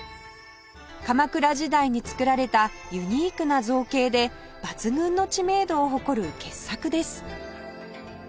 鎌倉時代に作られたユニークな造形で抜群の知名度を誇る傑作です